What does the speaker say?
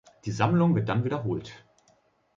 Die Sammlung wird dann wiederholt.